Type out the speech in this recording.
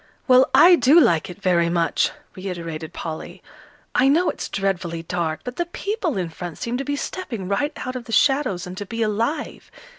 "Well, I do like it very much," reiterated Polly. "I know it's dreadfully dark, but the people in front seem to be stepping right out of the shadows, and to be alive.